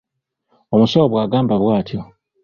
Omusawo bwagamba bwatyo.